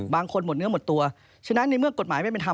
บางคนหมดเนื้อหมดตัวฉะนั้นในเมื่อกฎหมายไม่เป็นธรรม